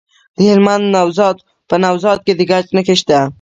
د هلمند په نوزاد کې د ګچ نښې شته.